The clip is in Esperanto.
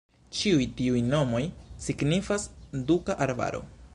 Ĉiuj tiuj nomoj signifas "Duka Arbaro".